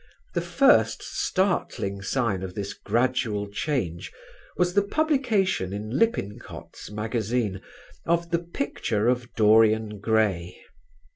The first startling sign of this gradual change was the publication in Lippincott's Magazine of "The Picture of Dorian Gray."